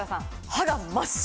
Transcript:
歯が真っ白！